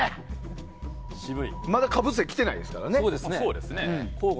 まだかぶせてきていないですからね。